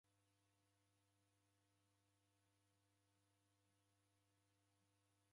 Izi raw'azoghazogha vilambo vilue